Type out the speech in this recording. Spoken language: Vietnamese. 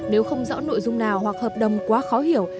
nếu không rõ nội dung nào hoặc hợp đồng quá khó hiểu